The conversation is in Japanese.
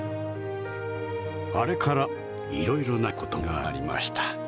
あれから色々なことがありました